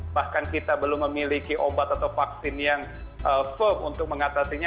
bahkan kita belum memiliki obat atau vaksin yang firm untuk mengatasinya